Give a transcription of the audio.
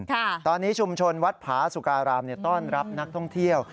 ตอนนี้ชุมชนวัดผาสุการามเนี่ยต้อนรับนักท่องเที่ยว